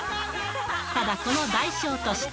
ただ、この代償として。